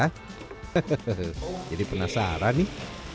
hehehe jadi penasaran nih